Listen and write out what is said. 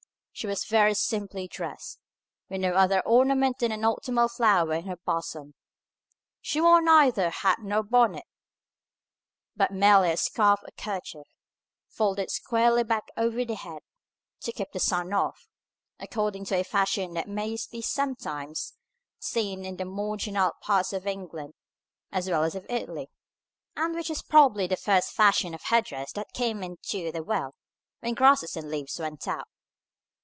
She was very simply dressed, with no other ornament than an autumnal flower in her bosom. She wore neither hat nor bonnet, but merely a scarf or kerchief, folded squarely back over the head, to keep the sun off, according to a fashion that may be sometimes seen in the more genial parts of England as well as of Italy, and which is probably the first fashion of head dress that came into the world when grasses and leaves went out.